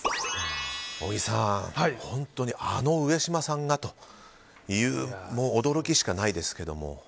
小木さん、本当にあの上島さんがという驚きしかないですけども。